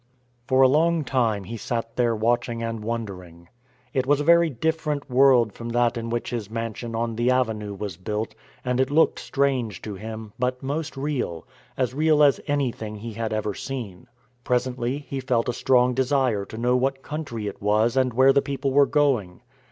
For a long time he sat there watching and wondering. It was a very different world from that in which his mansion on the Avenue was built; and it looked strange to him, but most real as real as anything he had ever seen. Presently he felt a strong desire to know what country it was and where the people were going.